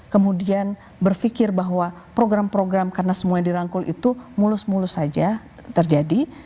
kemudian berpikir bahwa program program karena semua yang dirangkul itu mulus mulus saja terjadi